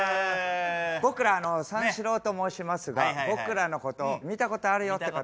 僕ら三四郎と申しますが僕らのこと見たことあるよって方。